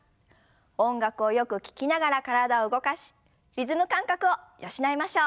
音楽をよく聞きながら体を動かしリズム感覚を養いましょう。